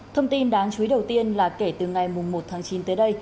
thông tin đáng chú ý đầu tiên là kể từ ngày một tháng chín tới đây